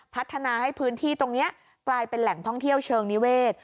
พัฒนาให้พื้นที่ตรงนี้กลายเป็นแหล่งท่องเที่ยวเชิงนิเวศ